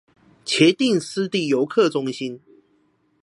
茄萣濕地遊客中心